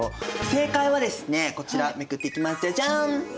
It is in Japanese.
正解はですねこちらめくっていきますジャジャン！